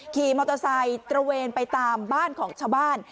ขี่มอเตอร์ไซค์ตระเวนไปตามบ้านของชาวบ้าน